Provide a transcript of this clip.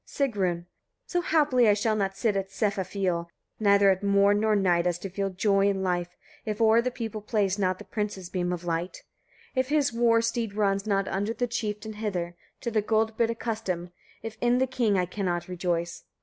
Sigrun. 34. So happy I shall not sit at Sefafioll, neither at morn nor night, as to feel joy in life, if o'er the people plays not the prince's beam of light; if his war steed runs not under the chieftain hither, to the gold bit accustomed; if in the king I cannot rejoice.